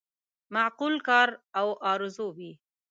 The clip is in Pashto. معقول کار او آرزو وي.